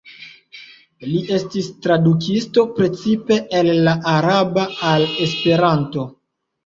Li estis tradukisto precipe el la araba al esperanto.